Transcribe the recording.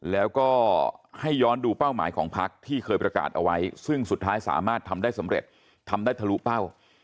แล้วก็ให้ย้อนดูเป้าหมายของพักที่เคยประกาศเอาไว้ซึ่งสุดท้ายสามารถทำได้สำเร็จทำได้ทะลุเป้า